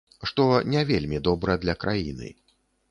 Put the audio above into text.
Што не вельмі добра для краіны.